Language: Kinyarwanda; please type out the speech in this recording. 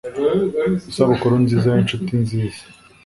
isabukuru nziza y'inshuti nziza